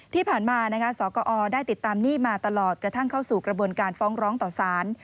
ที่ผ่านมาสกอได้ติดตามหนี้มาตลอดกระทั่งเข้าสู่กระบวนการฟ้องร้องต่อสาร